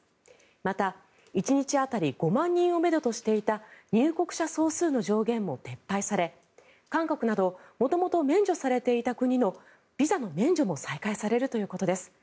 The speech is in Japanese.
また、１日当たり５万人をめどとしていた入国者総数の上限も撤廃され韓国など元々免除されていた国のビザの免除も再開されるということです。